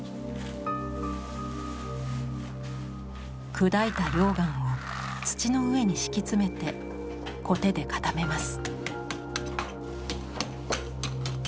砕いた溶岩を土の上に敷き詰めてコテで固めます。